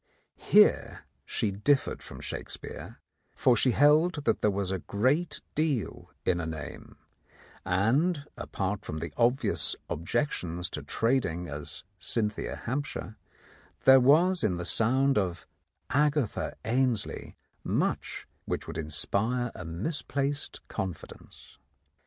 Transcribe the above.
Here she differed from Shakespeare, for she held that there was a great deal in a name, and (apart from the obvious objections to trading as Cynthia Hampshire) there was in the sound of " Agatha Ainslie " much which would inspire a misplaced confid ence.